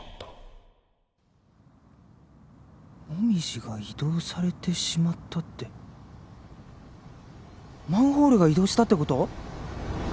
「モミジが移動されてしまった」ってマンホールが移動したってこと？